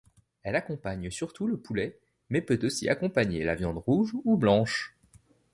Elle accompagne surtout le poulet, mais peut aussi accompagner la viande rouge ou blanche.